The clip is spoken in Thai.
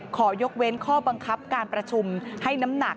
ขอยกเว้นข้อบังคับการประชุมให้น้ำหนัก